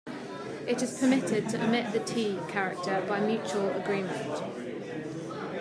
It is permitted to omit the 'T' character by mutual agreement.